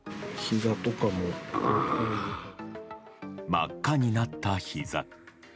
真っ赤になったひざ。